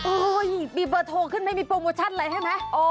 โอ้โหมีเบอร์โทรขึ้นไม่มีโปรโมชั่นอะไรใช่ไหม